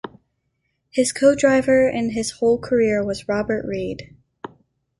His co-driver in his whole career was Robert Reid.